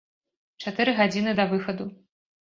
Чатыры гадзіны да выхаду.